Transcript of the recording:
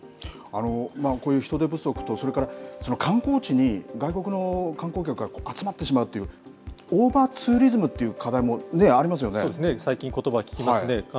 こういう人手不足と、それから、観光地に外国の観光客が集まってしまうという、オーバーツーリズムっていう課題もね、ありまそうですね、最近、ことば聞きますね。